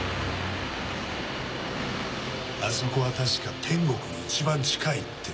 あそこは確か天国に一番近いって。